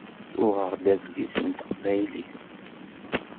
Uɣeɣ-d adlis n teqbaylit.